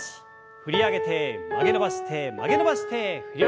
振り上げて曲げ伸ばして曲げ伸ばして振り下ろす。